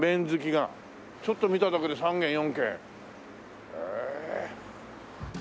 ちょっと見ただけで３軒４軒へえ。